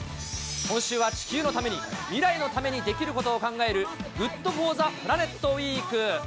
今週は地球のために、未来のためにできることを考える、ＧｏｏｄＦｏｒｔｈｅＰｌａｎｅｔウイーク。